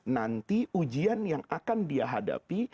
nanti ujian yang akan dia hadapi